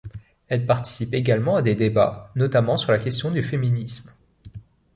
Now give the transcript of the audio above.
Elle participe également à des débats, notamment sur la question du féminisme.